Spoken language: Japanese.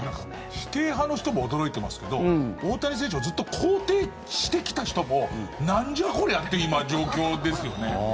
否定派の人も驚いてますけど大谷選手をずっと肯定してきた人もなんじゃこりゃ！っていう今、状況ですよね。